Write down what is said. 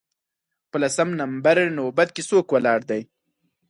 په لسم نمبر نوبت کې څوک ولاړ دی